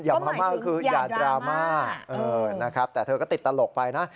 มาม่าก็คืออย่าดราม่านะครับแต่เธอก็ติดตลกไปนะ